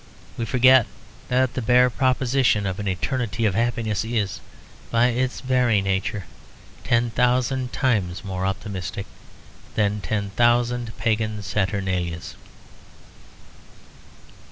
We forget that the bare proposition of an eternity of happiness is by its very nature ten thousand times more optimistic than ten thousand pagan saturnalias.